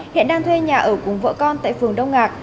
hiện đang thuê nhà ở cùng vợ con tại phường đông ngạc